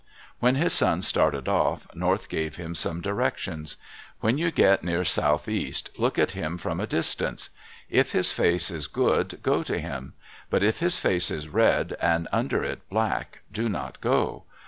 When his son started off, North gave him some directions: "When you get near Southeast, look at him from a distance. If his face is good, go to him. But if his face is red, and under it black, do not go.